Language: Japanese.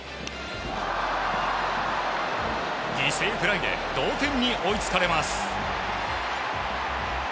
犠牲フライで同点に追いつかれます。